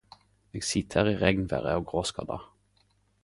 Eg sit her i regnveret og gråskodda